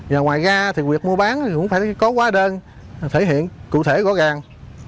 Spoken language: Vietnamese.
và ngoài ra thì việc mua bán cũng phải có quá đơn thể hiện cụ thể gõ gàng